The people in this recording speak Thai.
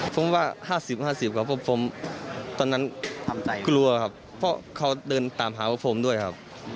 ผมว่า๕๐๕๐ครับเพราะผมตอนนั้นกลัวครับเพราะเขาเดินตามหาพวกผมด้วยครับ